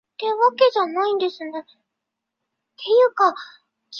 机械表避震器就是吸收冲击带来的能量。